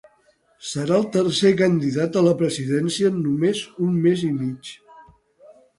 Serà el tercer candidat a la presidència en només un mes i mig.